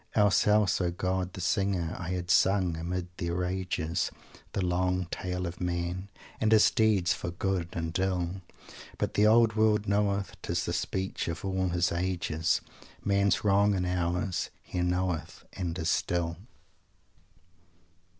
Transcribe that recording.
Else, else, O God, the Singer, I had sung, amid their rages, The long tale of Man, And his deeds for good and ill. But the Old World knoweth 'tis the speech of all his ages Man's wrong and ours; he knoweth and is still."